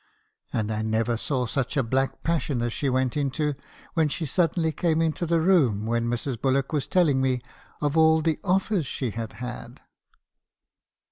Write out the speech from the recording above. And I never saw such a black passion as she went into when she suddenly came into the room when Mrs. Bullock was telling me of all the offers she had had.